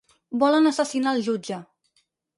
Volen assassinar el jutge.